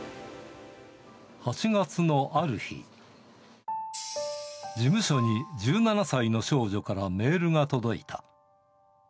８月のある日、事務所に１７歳の少女からメールが届いた。